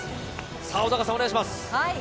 小高さん、お願いします。